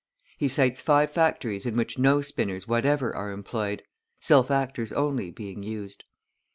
He cites five factories in which no spinners whatever are employed, self actors only being used.